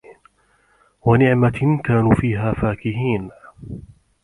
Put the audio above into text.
وَنَعمَةٍ كانوا فيها فاكِهينَ